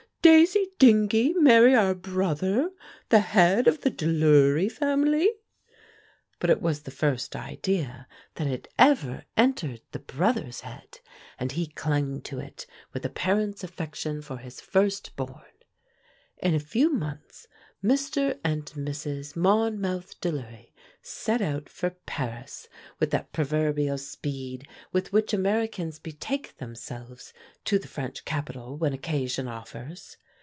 Daisy Dingee marry our brother, the head of the Delury family!" But it was the first idea that had ever entered the brother's head, and he clung to it with a parent's affection for his first born. In a few months Mr. and Mrs. Monmouth Delury set out for Paris with that proverbial speed with which Americans betake themselves to the French capital when occasion offers.